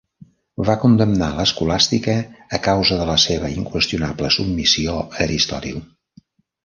Va condemnar l'escolàstica a causa de la seva inqüestionable submissió a Aristòtil.